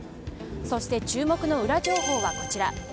そして注目のウラ情報はこちら。